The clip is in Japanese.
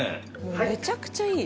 「めちゃくちゃいい」